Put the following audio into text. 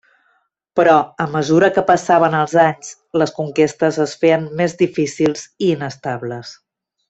Però a mesura que passaven els anys les conquestes es feien més difícils i inestables.